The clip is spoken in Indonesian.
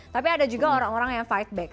tapi ada juga orang orang yang fight back